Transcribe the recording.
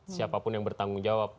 siapapun yang bertanggung jawab